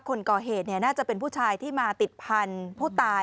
คนก่อเหตุน่าจะเป็นผู้ชายที่มาติดพันธุ์ผู้ตาย